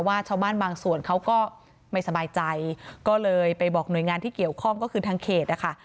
ชาวบ้านบางส่วนเขาก็ไม่สบายใจก็เลยไปบอกหน่วยงานที่เกี่ยวข้องก็คือทางเขตนะคะ